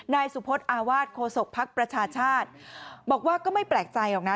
นายสุพธิ์อาวาสโคศกภักดิ์ประชาชาติบอกว่าก็ไม่แปลกใจหรอกนะ